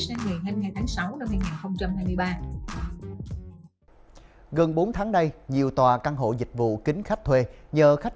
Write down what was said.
sang ngày hai mươi hai tháng sáu năm hai nghìn hai mươi ba gần bốn tháng đây nhiều tòa căn hộ dịch vụ kính khách thuê nhờ khách